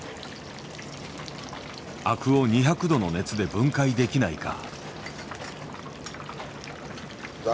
アクを２００℃の熱で分解できないか。